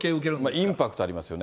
インパクトありますよね。